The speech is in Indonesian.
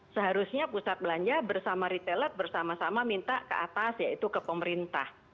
seharusnya pusat belanja bersama retailer bersama sama minta ke atas yaitu ke pemerintah